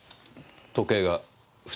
時計が２つ。